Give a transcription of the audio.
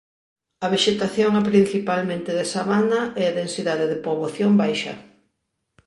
A vexetación é principalmente de sabana e a densidade de poboación baixa.